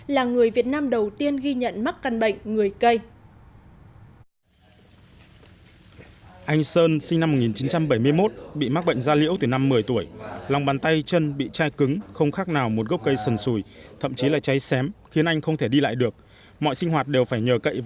là người việt nam đầu tiên ghi nhận mắc căn bệnh người cây